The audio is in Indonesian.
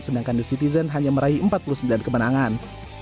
sedangkan the citizen hanya meraih empat puluh sembilan kemenangan